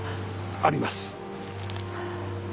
あります。